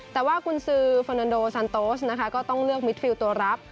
แต่ว่ากุญซือเฟอร์นันโดซันโตสนะคะก็ต้องเลือกมิดฟิลตัวรับ